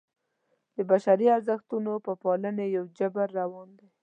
د بشري ارزښتونو په پالنې یو جبر روان دی.